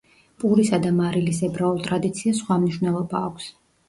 პურისა და მარილის ებრაულ ტრადიციას სხვა მნიშვნელობა აქვს.